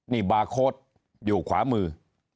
นี่บาร์โค้ดอยู่ขวามือ